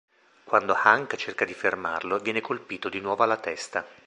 Quando Hank cerca di fermarlo, viene colpito di nuovo alla testa.